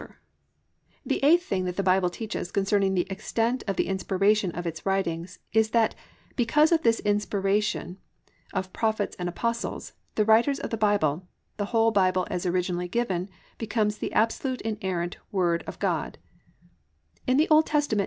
VIII. THE BIBLE IS THE WORD OF GOD The eighth thing that the Bible teaches concerning the extent of the inspiration of its writings is that _because of this inspiration of Prophets and Apostles, the writers of the Bible, the whole Bible as originally given becomes the absolutely inerrant Word of God_. In the O. T.